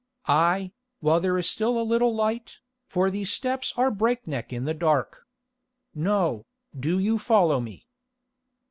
"Aye, while there is still a little light, for these steps are breakneck in the dark. No, do you follow me."